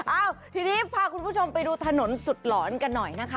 เอ้าทีนี้พาคุณผู้ชมไปดูถนนสุดหลอนกันหน่อยนะคะ